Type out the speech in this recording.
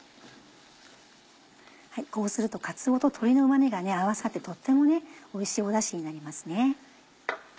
こうするとかつおと鶏のうま味が合わさってとってもおいしいダシになりますね。